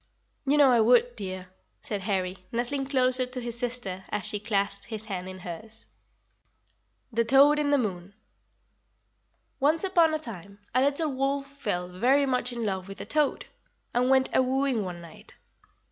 "You know I would, dear," said Harry, nestling closer to his sister, as she clasped his hand in hers. THE TOAD IN THE MOON. "Once upon a time a little wolf fell very much in love with a toad, and went a wooing one night.